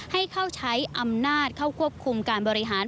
ให้เข้าใช้อำนาจเข้าควบคุมการบริหาร